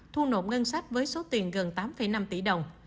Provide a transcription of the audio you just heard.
thu nộp ngân sách với số tiền gần tám năm tỷ đồng